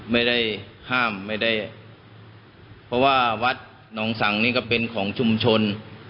ไม่ได้ห้ามไม่ได้เพราะว่าวัดหนองสังนี่ก็เป็นของชุมชน